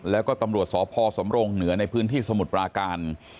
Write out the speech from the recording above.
แล้วก็ตำรวจสพสำรงเหนือในพื้นที่สมุทรปราการ